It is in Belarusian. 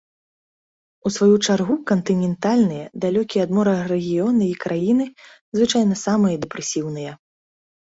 У сваю чаргу кантынентальныя, далёкія ад мора рэгіёны і краіны звычайна самыя дэпрэсіўныя.